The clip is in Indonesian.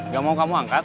gak mau kamu angkat